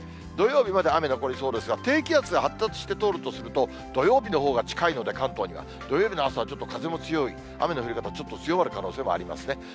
土曜日まで雨、残りそうですが、低気圧が発達して通るとすると、土曜日のほうが近いので、関東には、土曜日の朝はちょっと風も強い、雨の降り方はちょっと強まる可能性もありますね。